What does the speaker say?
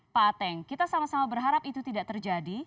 pak ateng kita sama sama berharap itu tidak terjadi